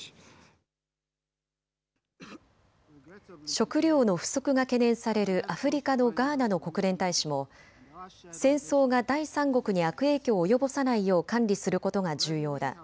食料の不足が懸念されるアフリカのガーナの国連大使も戦争が第三国に悪影響を及ぼさないよう管理することが重要だ。